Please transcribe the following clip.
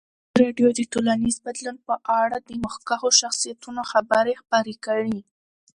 ازادي راډیو د ټولنیز بدلون په اړه د مخکښو شخصیتونو خبرې خپرې کړي.